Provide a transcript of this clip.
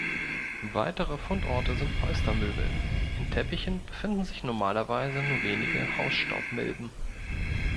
Weitere Fundorte sind Polstermöbel, in Teppichen befinden sich normalerweise nur wenige Hausstaubmilben.